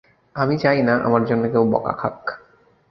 আমি চাই না আমার জন্যে কেউ বকা খাক।